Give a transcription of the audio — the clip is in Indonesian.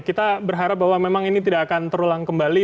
kita berharap bahwa memang ini tidak akan terulang kembali